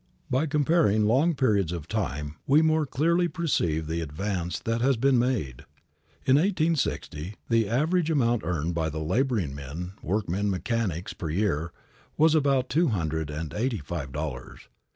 By comparing long periods of time, we more clearly perceive the advance that has been made. In 1860, the average amount earned by the laboring men, workmen, mechanics, per year, was about two hundred and eighty five dollars.